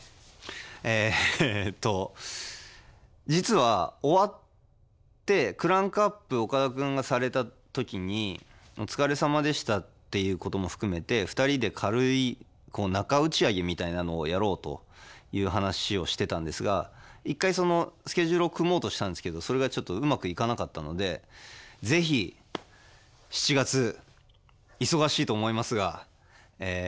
えっと実は終わってクランクアップ岡田君がされた時にお疲れさまでしたっていうことも含めて２人で軽い中打ち上げみたいなのをやろうという話をしてたんですが１回そのスケジュールを組もうとしたんですけどそれがちょっとうまくいかなかったので是非７月忙しいと思いますがえ